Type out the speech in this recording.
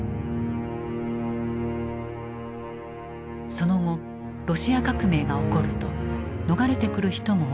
その後ロシア革命が起こると逃れてくる人も多かった。